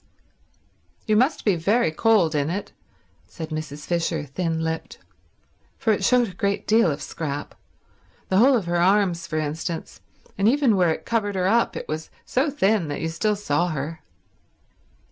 "You must be very cold in it," said Mrs. Fisher, thin lipped; for it showed a great deal of Scrap—the whole of her arms, for instance, and even where it covered her up it was so thin that you still saw her.